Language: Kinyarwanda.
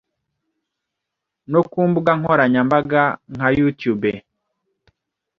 no ku mbuga nkoranyambaga nka Youtube,